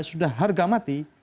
sudah harga mati